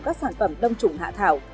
các sản phẩm đông trùng hạ thảo